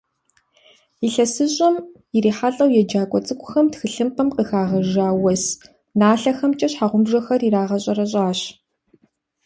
Илъэсыщӏэм ирихьэлӏэу еджакӏуэ цӏыкӏухэм тхылъымпӏэм къыхагъэжа уэс налъэхэмкӏэ щхьэгъубжэхэр ирагъэщӏэрэщӏащ.